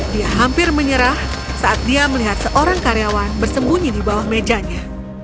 dia hampir menyerah saat dia melihat seorang karyawan bersembunyi di bawah mejanya